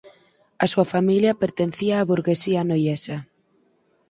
A súa familia pertencía á burguesía noiesa.